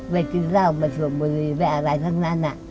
ไปกินเหล้ามาสวบบุรีไปอะไรทั้งนั้น